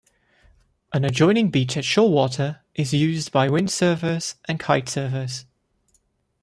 An adjoining beach at Shoalwater is used by windsurfers and kitesurfers.